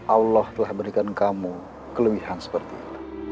allah telah berikan kamu kelebihan seperti itu